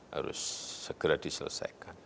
harus sekreti selesaikan